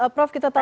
prof kita tahu